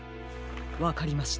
わかりました。